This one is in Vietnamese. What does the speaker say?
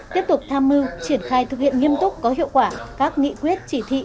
tiếp tục tham mưu triển khai thực hiện nghiêm túc có hiệu quả các nghị quyết chỉ thị